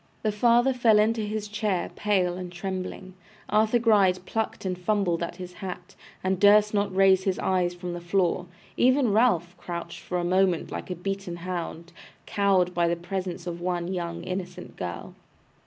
The father fell into his chair pale and trembling; Arthur Gride plucked and fumbled at his hat, and durst not raise his eyes from the floor; even Ralph crouched for the moment like a beaten hound, cowed by the presence of one young innocent girl!